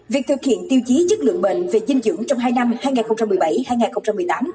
việc thực hiện tiêu chí chất lượng bệnh về dinh dưỡng trong hai năm hai nghìn một mươi bảy hai nghìn một mươi tám